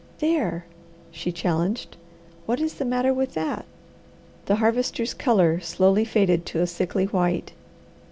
"There!" she challenged. "What is the matter with that?" The Harvester's colour slowly faded to a sickly white.